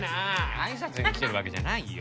あいさつに来てるわけじゃないよ。